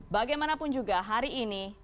bagaimanapun juga hari ini